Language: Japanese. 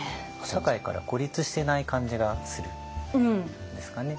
社会から孤立してない感じがするんですかね。